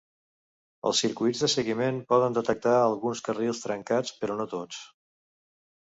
Els circuits de seguiment poden detectar alguns carrils trencats, però no tots.